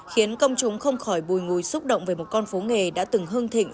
khiến công chúng không khỏi bùi ngùi xúc động về một con phố nghề đã từng hương thịnh